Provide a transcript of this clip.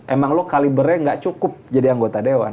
emang lo kalibernya gak cukup jadi anggota dewan